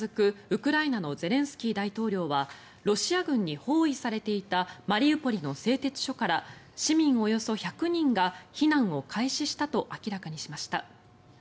ウクライナのゼレンスキー大統領はロシア軍に包囲されていたマリウポリの製鉄所から市民およそ１００人が避難を開始したと明らかにしました。